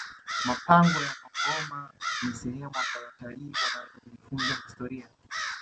mapango ya nongoma ni sehemu ambayo watalii wanaweza kujifunza historia